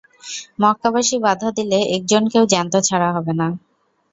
মক্কাবাসী বাধা দিলে একজনকেও জ্যান্ত ছাড়া হবে না।